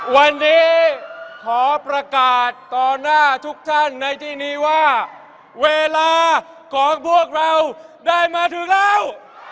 วันนี้ขอประกาศต่อหน้าทุกท่านในที่นี้ว่าเวลาของพวกเราได้มาถึงแล้ว